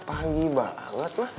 pagi banget lah